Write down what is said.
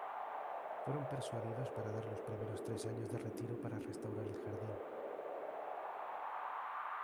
Fueron persuadidos para dar los primeros tres años de retiro para restaurar el jardín.